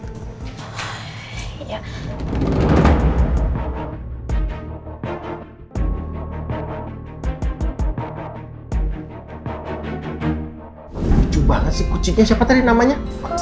kucu banget sih kucunya siapa tadi namanya